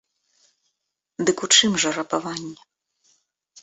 Дык у чым жа рабаванне?